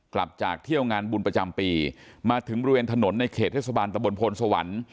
กลับจากเที่ยวงานบุญประจำปีมาถึงบริเวณถนนในเขตเทศบาลตะบนพลสวรรค์